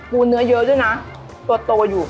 เนื้อเยอะด้วยนะตัวโตอยู่